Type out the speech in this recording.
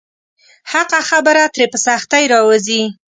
حقه خبره ترې په سختۍ راووځي.